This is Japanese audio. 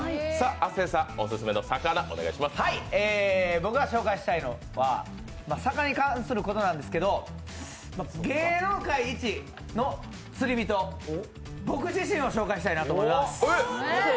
僕が紹介したいのは魚に関することなんですけど芸能界イチの釣り人、僕自身を紹介したいと思います。